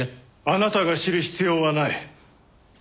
あなたが知る必要はない。